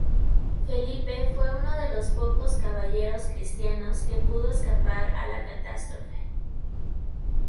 Felipe fue uno de los pocos caballeros cristianos que pudo escapar a la catástrofe.